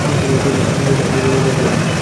আনার জন্য ধন্যবাদ।